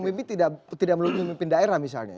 memimpin tidak melalui memimpin daerah misalnya